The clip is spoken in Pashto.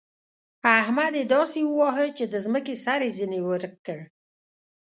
احمد يې داسې وواهه چې د ځمکې سر يې ځنې ورک کړ.